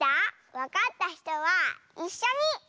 わかったひとはいっしょに！